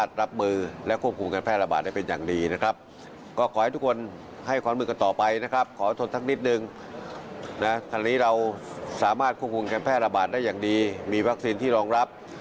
แต่อย่างดีมีวัคซีนที่รองรับ